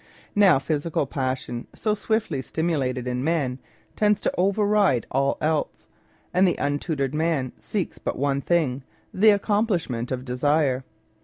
Now physical passion, so swiftly stimulated in man, tends to override all else, and the untutored man seeks but one thing — the accomplishment of desire.